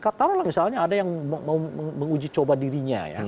katakanlah misalnya ada yang mau menguji coba dirinya ya